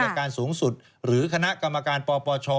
การสูงสุดหรือคณะกรรมการปปช